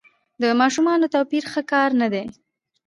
د ماشومانو توپیر ښه کار نه دی.